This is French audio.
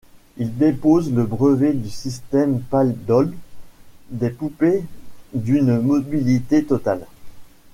Il dépose le brevet du système Pal-Doll, des poupées d'une mobilité totale.